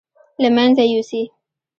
له مېنځه يوسي.